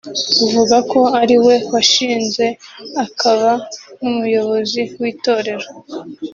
uvuga ko ariwe washinze akaba n’umuyobozi w’Itorero